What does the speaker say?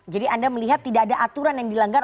jadi anda melihat tidak ada aturan yang dilanggar